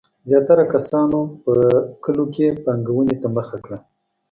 زیاتره کسانو په کلیو کې پانګونې ته مخه کړه.